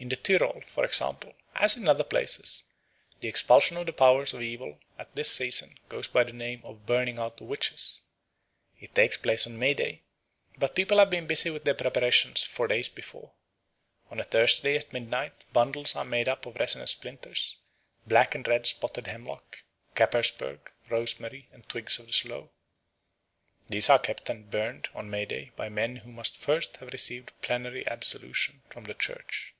In the Tyrol, for example, as in other places, the expulsion of the powers of evil at this season goes by the name of "Burning out the Witches." It takes place on May Day, but people have been busy with their preparations for days before. On a Thursday at midnight bundles are made up of resinous splinters, black and red spotted hemlock, caperspurge, rosemary, and twigs of the sloe. These are kept and burned on May Day by men who must first have received plenary absolution from the Church.